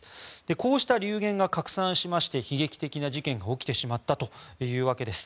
こうした流言が拡散しまして悲劇的な事件が起きてしまったというわけです。